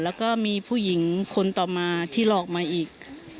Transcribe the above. แล้วก็มีผู้หญิงคนต่อมาที่หลอกมาอีก